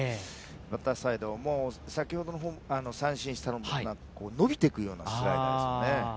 バッターサイドも、先ほどの三振したのも伸びていくようなスライダーですよね。